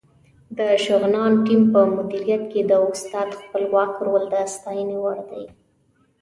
د شغنان ټیم په مدیریت کې د استاد خپلواک رول د ستاینې وړ دی.